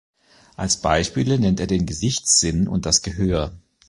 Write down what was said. Als Beispiele nennt er den Gesichtssinn und das Gehör.